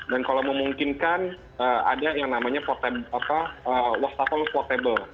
dan kalau memungkinkan ada yang namanya wastafel portable